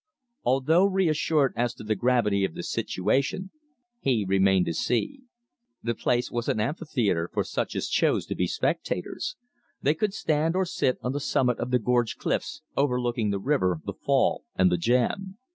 Although reassured as to the gravity of the situation, he remained to see. The place was an amphitheater for such as chose to be spectators. They could stand or sit on the summit of the gorge cliffs, overlooking the river, the fall, and the jam.